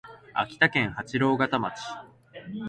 秋田県八郎潟町